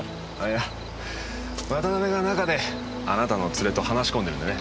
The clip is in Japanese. いや渡辺が中であなたの連れと話し込んでるんでね。